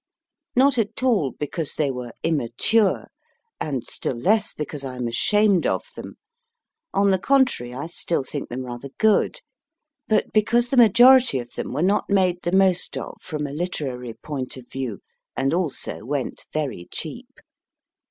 Not at all because they were immature, and still less because I am ashamed of them on the con trary, I still think them rather good but because the majority of them were not made the most of from a literary point of view, and also went very cheap.